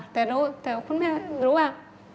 แต่คุณแม่รู้ว่า